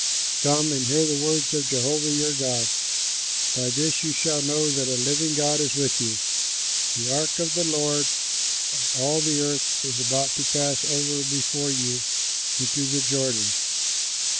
Come and hear the words of Jehovah your God. By this you shall know that a living God is with you: the ark of the Lord of all the earth is about to pass over before you into the Jordan.